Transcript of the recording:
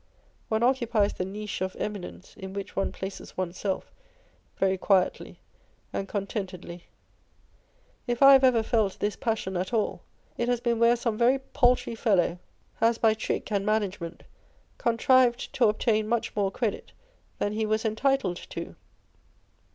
One occupies the niche of eminence in which one places one's self, very quietly and contentedly ! If I have ever felt this passion at all, it has been where some very paltry fellow has by trick and management contrived to obtain much more credit than he was entitled to.